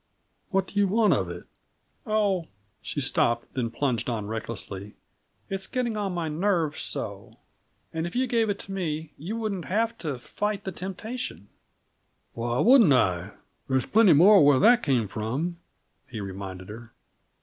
"What do you want of it?" "Oh " she stopped, then plunged on recklessly. "It's getting on my nerves so! And if you gave it to me, you wouldn't have to fight the temptation " "Why wouldn't I? There's plenty more where that came from," he reminded her.